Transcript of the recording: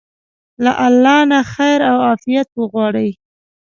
له الله نه خير او عافيت وغواړئ.